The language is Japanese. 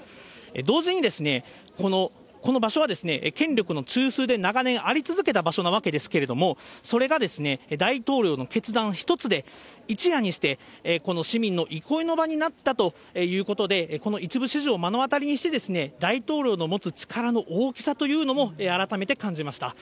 同時に、この場所は権力の中枢で長年あり続けた場所なわけですけれども、それが大統領の決断一つで、一夜にして市民の憩いの場になったということで、この一部始終を目の当たりにして、大統領の持つ力の大きさというのも改めて感じました。